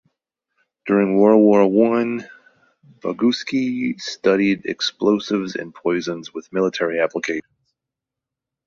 During World War One, Boguski studied explosives and poisons with military applications.